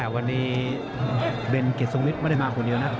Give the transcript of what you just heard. วันนี้เบนเกียดซุงวิทย์ไม่ได้มาคนเยอะนะ